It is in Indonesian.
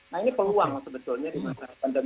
nah ini peluang sebetulnya di masa pandemi